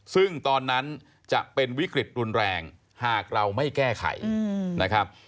ซึ่งตอนนั้นจะเป็นวิกฤตรุนแรงหากเราไม่แก้ไขนะครับ